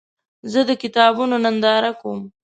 زه د کتابونو ننداره کوم.